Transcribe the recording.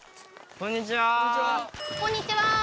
こんにちは。